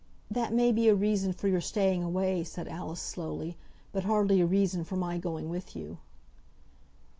"That may be a reason for your staying away," said Alice, slowly, "but hardly a reason for my going with you."